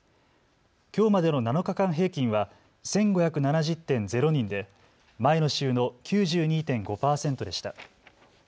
きょうまでの７日間平均は１５７０．０人で前の週の９２．５％でした。